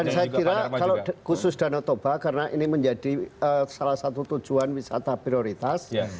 dan saya kira kalau khusus nanodoba karena ini menjadi salah satu tujuan wisata prioritas